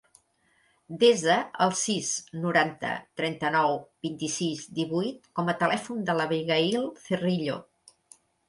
Desa el sis, noranta, trenta-nou, vint-i-sis, divuit com a telèfon de l'Abigaïl Cerrillo.